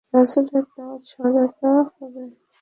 রাসূলের দাওয়াতের সহায়তা হবে।